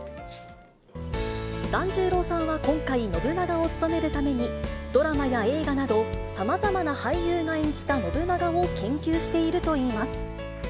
團十郎さんは今回、信長を勤めるために、ドラマや映画など、さまざまな俳優が演じた信長を研究しているといいます。